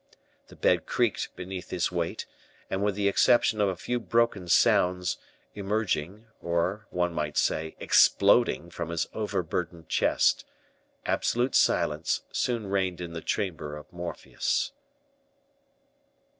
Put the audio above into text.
The bed creaked beneath his weight, and with the exception of a few broken sounds, emerging, or, one might say, exploding, from his overburdened chest, absolute silence soon reigned in the chamber of Morpheus.